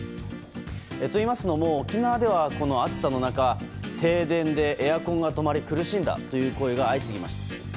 といいますのも、沖縄ではこの暑さの中停電でエアコンが止まり苦しんだという声が相次ぎました。